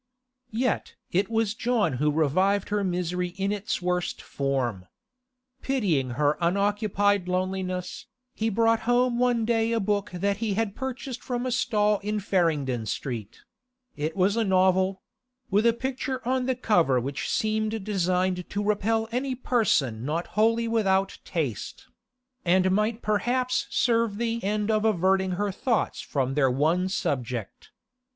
Yet it was John who revived her misery in its worst form. Pitying her unoccupied loneliness, he brought home one day a book that he had purchased from a stall in Farringdon Street; it was a novel (with a picture on the cover which seemed designed to repel any person not wholly without taste), and might perhaps serve the end of averting her thoughts from their one subject.